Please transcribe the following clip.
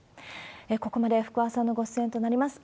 ここまで福和さんのご出演となります。